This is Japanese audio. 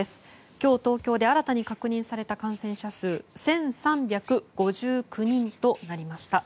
今日、東京で新たに確認された感染者数１３５９人となりました。